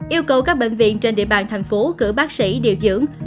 yêu cầu các bệnh viện trên địa bàn thành phố cử bác sĩ điều dưỡng